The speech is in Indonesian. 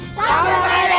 sampai nanti juara